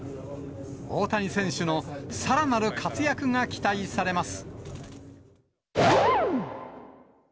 大谷選手のさらなる活躍が期待されます。